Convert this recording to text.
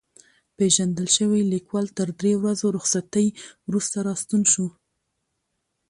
پېژندل شوی لیکوال تر درې ورځو رخصتۍ وروسته راستون شو.